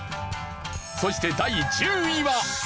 そして第１０位は。